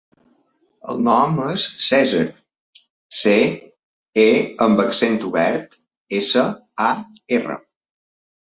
El nom és Cèsar: ce, e amb accent obert, essa, a, erra.